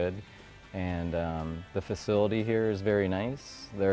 dan fasilitasnya di sini sangat bagus